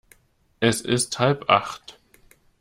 Es ist halb acht.